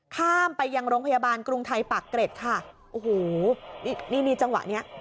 ข้ามไปยังโรงพยาบาลกรุงไทยปากเกร็ดค่ะโอ้โหนี่นี่จังหวะเนี้ย